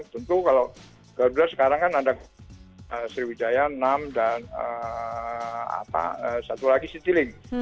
tentu kalau garuda sekarang kan ada sriwijaya enam dan satu lagi citilink